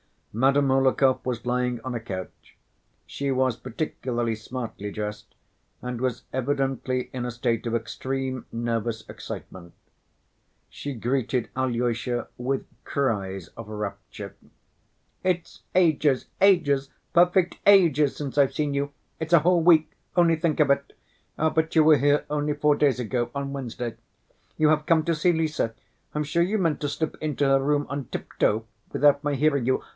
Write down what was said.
Madame Hohlakov was lying on a couch. She was particularly smartly dressed and was evidently in a state of extreme nervous excitement. She greeted Alyosha with cries of rapture. "It's ages, ages, perfect ages since I've seen you! It's a whole week—only think of it! Ah, but you were here only four days ago, on Wednesday. You have come to see Lise. I'm sure you meant to slip into her room on tiptoe, without my hearing you.